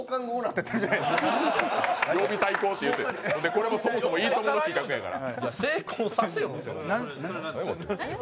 これもそもそも「いいとも！」の企画やから。